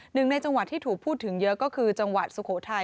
หนึ่งในจังหวัดที่ถูกพูดถึงเยอะก็คือจังหวัดสุโขทัย